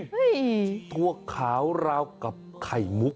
สัตว์ขาวเราแล้วกับไข่มุก